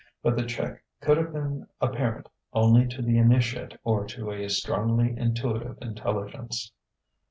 But the check could have been apparent only to the initiate or to a strongly intuitive intelligence.